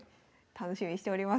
楽しみにしております。